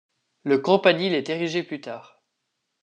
Le campanile est érigé plus tard.